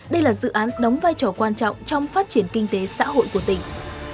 đây là dự án đóng vai trò quan trọng trong phát triển kinh tế xã hội của tỉnh